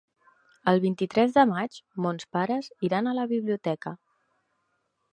El vint-i-tres de maig mons pares iran a la biblioteca.